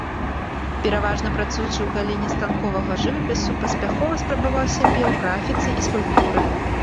Пераважна працуючы ў галіне станковага жывапісу, паспяхова спрабаваў сябе ў графіцы і скульптуры.